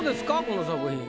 この作品。